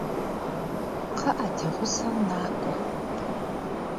Kxhı'e, di ğuseu nak'ue!